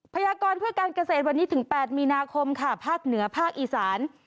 พยากรเพื่อการเกษตรวันนี้ถึง๘มีนาคมค่ะภาคเหนือภาคอีสาน